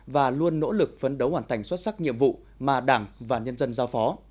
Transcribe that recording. và luôn nỗ lực phấn đấu hoàn thành xuất sắc nhiệm vụ mà đảng và nhân dân giao phó